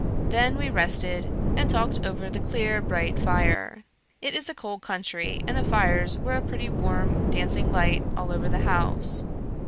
Then we rested, and talked over the clear, bright fire; it is a cold country, and the fires were a pretty warm dancing light all over the house.